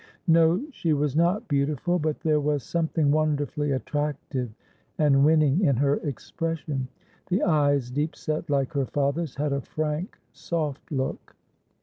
No, she was not beautiful, but there was something wonderfully attractive and winning in her expression; the eyes, deep set like her father's, had a frank soft look.